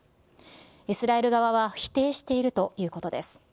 イスラエル側は否定しているということです。